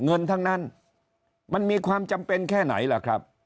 เงินทั้งนั้นมันมีความจำเป็นแค่ไหนล่ะครับ